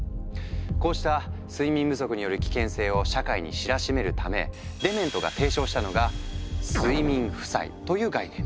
こうした睡眠不足による危険性を社会に知らしめるためデメントが提唱したのが「睡眠負債」という概念。